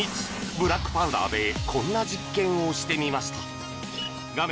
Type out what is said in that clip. ブラックパウダーでこんな実験をしてみました画面